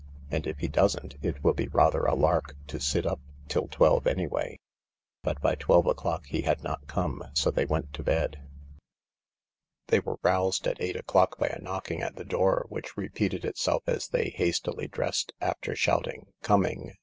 And if he doesn't, it will be rather a lark to sit up till twelve anyway." But by twelve o'clock he had not come, so they went to bed. They were roused at eight o'clock by a knocking at the door, which repeated itself as they hastily dressed after shouting '' Coming!"